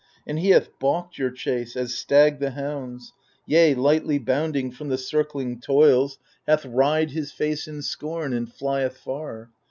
And he hath baulked your chase, as stag the hounds ; Yea, lightly bounding from the circling toils, 142 THE FURIES Hath wried his face in scorn, and flieth far.